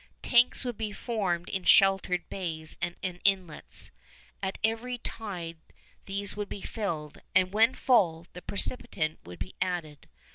Tanks would be formed in sheltered bays and inlets. At every tide these would be filled, and when full the precipitant would be added.